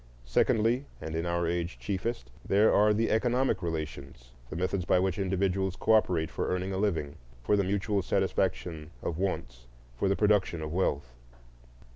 Secondly, and in our age chiefest, there are the economic relations,—the methods by which individuals cooperate for earning a living, for the mutual satisfaction of wants, for the production of wealth.